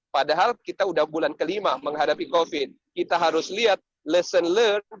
padahal kita udah bulan kelima menghadapi covid kita harus lihat lesson lear